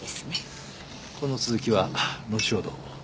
この続きは後ほど。